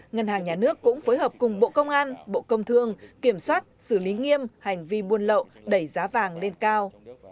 ngân hàng nhà nước cũng phối hợp cùng bộ công an bộ công thương kiểm soát xử lý nghiêm hành vi buôn lậu đẩy giá vàng lên cao